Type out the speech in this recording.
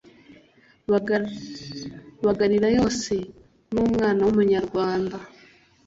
Bagarira yose ni umwana w’umunyarwanda.